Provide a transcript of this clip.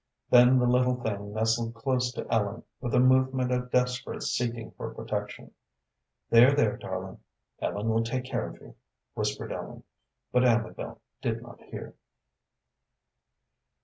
Then the little thing nestled close to Ellen, with a movement of desperate seeking for protection. "There, there, darling, Ellen will take care of you," whispered Ellen. But Amabel did not hear.